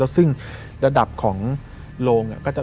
ซึ่งระดับของโรง